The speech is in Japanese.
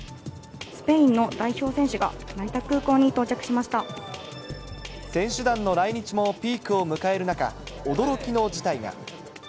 スペインの代表選手が成田空選手団の来日もピークを迎える中、驚きの事態が。